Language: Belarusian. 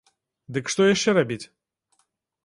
Дык што яшчэ рабіць?